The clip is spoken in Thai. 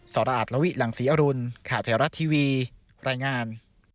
รออาจลวิหลังศรีอรุณข่าวแถวรัฐทีวีรายงาน